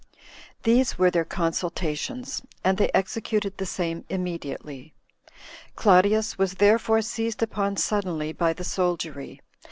These were their consultations, and they executed the same immediately. Claudius was therefore seized upon suddenly by the soldiery.